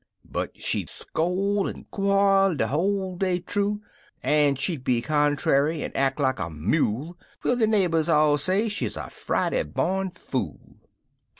But she'd scol' an' quoii de whole day thoo; An' she'd be contrary, an' ack like a mule, Twel de neighbors all say she's a Friday bom fool.